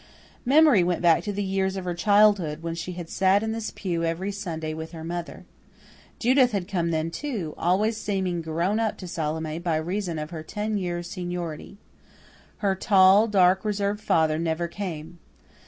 Memory went back to the years of her childhood when she had sat in this pew every Sunday with her mother. Judith had come then, too, always seeming grown up to Salome by reason of her ten years' seniority. Her tall, dark, reserved father never came.